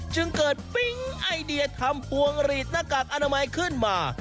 จึงเกิดปิ๊งไอเดียทำพวงหลีดหน้ากากอนามัยขึ้นมา